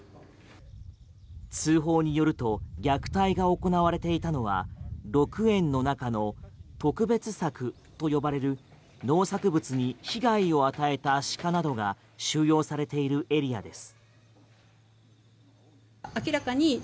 通報によると虐待が行われていたのは鹿苑の中の特別柵と呼ばれる農作物に被害を与えた鹿などが収容されているエリアです。